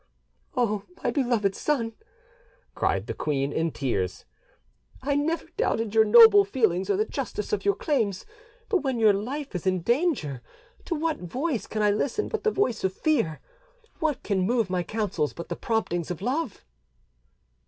"O my beloved son," cried the queen in tears, "I never doubted your noble feelings or the justice of your claims; but when your life is in danger, to what voice can I listen but the voice of fear? what can move my counsels but the promptings of love?"